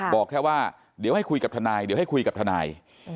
บอกแค่ว่าเดี๋ยวให้คุยกับถนาย